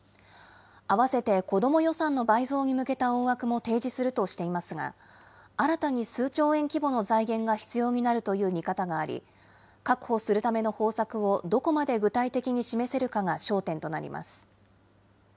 併せて子ども予算の倍増に向けた大枠も提示するとしていますが、新たに数兆円規模の財源が必要になるという見方があり、確保するための方策をどこまで具体的に示せるかが焦点となります。